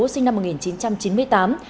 sinh năm một nghìn chín trăm chín mươi tám